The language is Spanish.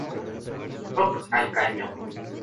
Rock al caño".